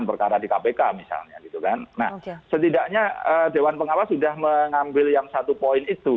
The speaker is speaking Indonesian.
saya pastikan bahwa saya tidak akan pernah mengulangi itu